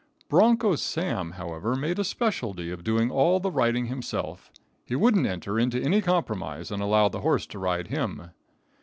Broncho Sam, however, made a specialty of doing all the riding himself. He wouldn't enter into any compromise and allow the horse to ride him.